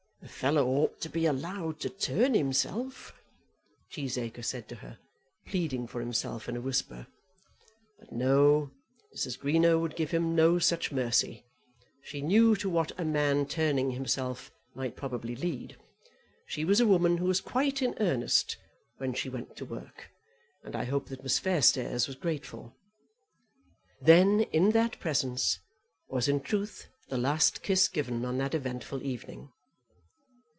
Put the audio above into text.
"A fellow ought to be allowed to turn himself," Cheesacre said to her, pleading for himself in a whisper. But no; Mrs. Greenow would give him no such mercy. She knew to what a man turning himself might probably lead. She was a woman who was quite in earnest when she went to work, and I hope that Miss Fairstairs was grateful. Then, in that presence, was in truth the last kiss given on that eventful evening.